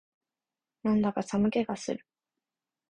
なんだか寒気がする